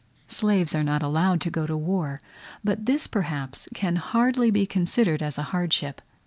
Slaves are not allowed to go to war; but this perhaps can hardly be considered as a hardship.